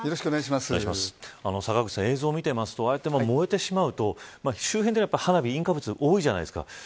坂口さん、映像を見ているとああやって燃えてしまうと周辺では花火引火物じゃないですか。